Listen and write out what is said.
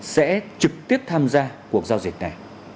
sẽ trực tiếp tham gia cuộc giao diệt này